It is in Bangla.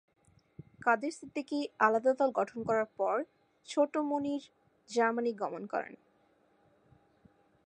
কাদের সিদ্দিকী আলাদা দল গঠন করার পর ছোট মনির জার্মানি গমন করেন।